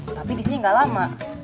tapi disini gak lama